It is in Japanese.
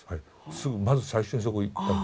すぐまず最初にそこに行ったんです。